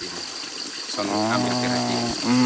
kita mau ambil perhatian